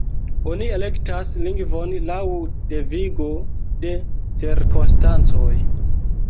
Oni elektas lingvon laŭ devigo de cirkonstancoj.